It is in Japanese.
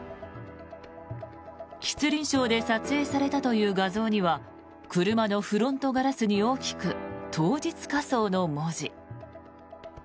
吉林省で撮影されたという画像には車のフロントガラスに大きく「当日火葬」の文字。